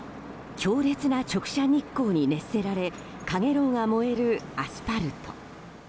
強烈な直射日光に熱され陽炎が燃えるアスファルト。